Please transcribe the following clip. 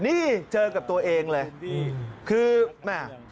นี่เจอกับตัวเองเลย